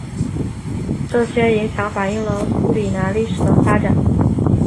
这些影响反映了苏里南历史的发展。